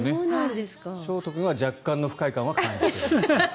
勝叶君は若干の不快感は感じている。